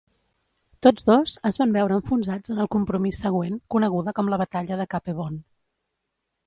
Tots dos es van veure enfonsats en el compromís següent, coneguda com la Batalla de Cape Bon.